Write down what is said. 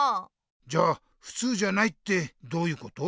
じゃ「ふつうじゃない」ってどういうこと？